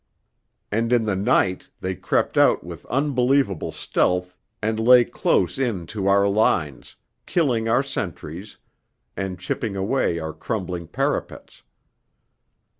And in the night they crept out with unbelievable stealth and lay close in to our lines, killing our sentries, and chipping away our crumbling parapets.